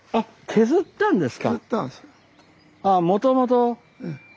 削ったんですよ。